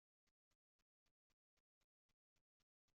n iy inteko rusange idasanzwe